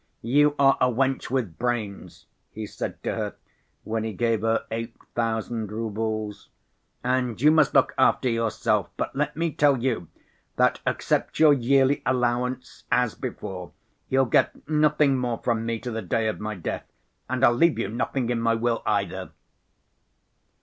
"You are a wench with brains," he said to her, when he gave her eight thousand roubles, "and you must look after yourself, but let me tell you that except your yearly allowance as before, you'll get nothing more from me to the day of my death, and I'll leave you nothing in my will either."